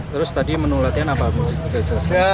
terus tadi menu latihan apa